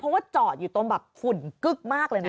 เพราะว่าจอดอยู่ตรงแบบฝุ่นกึ๊กมากเลยนะ